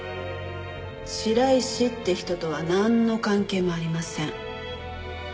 白石って人とはなんの関係もありません。